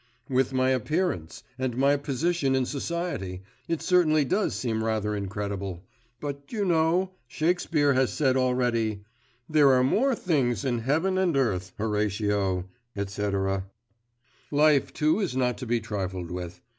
'With my appearance, and my position in society, it certainly does seem rather incredible; but you know Shakespeare has said already, "There are more things in heaven and earth, Horatio, etc." Life too is not to be trifled with.